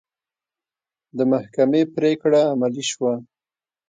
د محکمې پرېکړه عملي شوه.